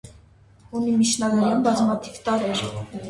Ունի միջնադարյան բազմաթիվ տարրեր։